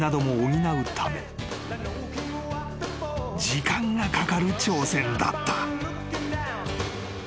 ［時間がかかる挑戦だった］